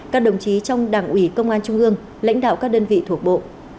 các đồng chí trong đảng ủy công an trung ương lãnh đạo các đơn vị thuộc bộ